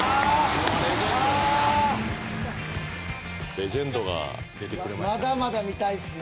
レジェンドが出てくれましたね。